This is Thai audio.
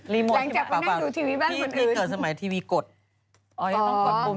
รีโมทที่บ้านผัด